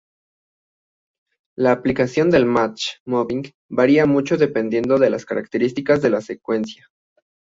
La aplicación del match moving varía mucho dependiendo de las características de la secuencia.